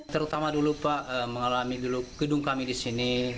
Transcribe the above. terutama dulu pak mengalami dulu gedung kami di sini